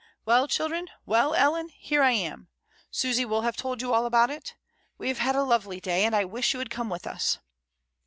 Well, children, well, Ellen, here I am. Susy will have told you all about it. We have had a lovely day, and I wish you had come with us."